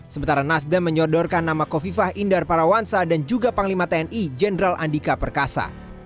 sementara nasdem menyodorkan nama kofifah indar parawansa dan juga panglima tni jenderal andika perkasa